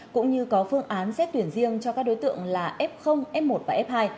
cũng như có phương án xét tuyển riêng cho các đối tượng là f f một và f hai